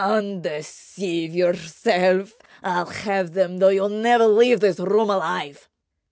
"Undeceive yourself: I'll have them though you never leave this room alive."